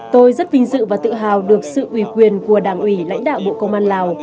tôi rất vinh dự và tự hào được sự ủy quyền của đảng ủy lãnh đạo bộ công an lào